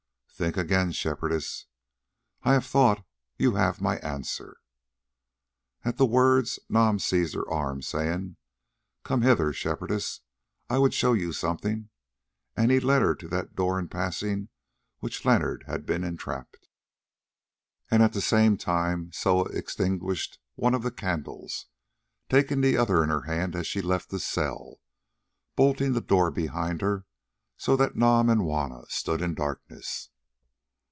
"Think again, Shepherdess." "I have thought. You have my answer." At the words Nam seized her arm, saying, "Come hither, Shepherdess; I would show you something," and he led her to that door in passing which Leonard had been entrapped. At the same time Soa extinguished one of the candles, and taking the other in her hand she left the cell, bolting the door behind her, so that Nam and Juanna stood in darkness.